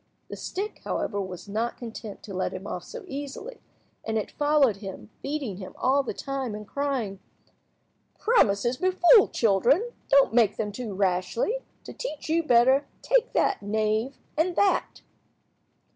The stick, however, was not content to let him off so easily, and it followed him, beating him all the time, and crying— "Promises befool children. Don't make them too rashly. To teach you better, take that, knave, and that."